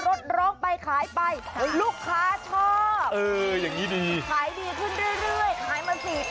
มอลำคลายเสียงมาแล้วมอลำคลายเสียงมาแล้ว